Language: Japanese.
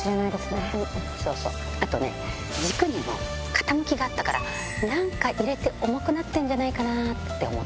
あとね軸にも傾きがあったから何か入れて重くなってるんじゃないかなって。